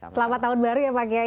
selamat tahun baru ya pak kiai